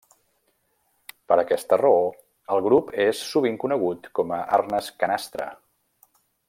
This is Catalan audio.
Per aquesta raó, el grup és sovint conegut com a arnes canastra.